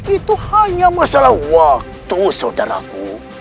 itu hanya masalah waktu saudaraku